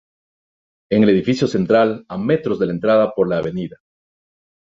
En el edificio central, a metros de la entrada por la Av.